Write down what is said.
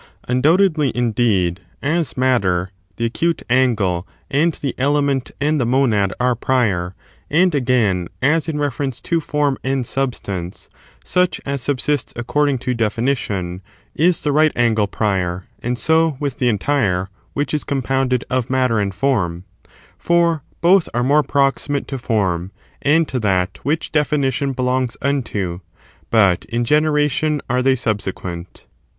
Undoubtedly, indeed, as matter, tibe acute angle and the element and the monad are prior; and, again, as in reference to form and substanoe— such as subsists according to definition — is the right an^ prior, and so with the entire, which is compounded of matter and form ; for both are more proximate to form and to that which definition belongs unto, but in generation are they subsequent.